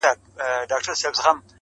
• تا له تخم څخه جوړکړله تارونه -